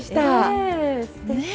ねえ。